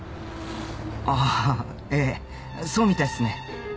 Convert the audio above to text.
あぁええそうみたいっすね。